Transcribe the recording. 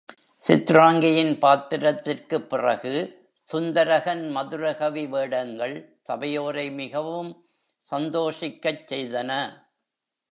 சித்ராங்கியின் பாத்திரத்திற்குப் பிறகு, சுந்தரகன் மதுரகவி வேடங்கள் சபையோரை மிகவும் சந்தோஷிக்கச் செய்தன.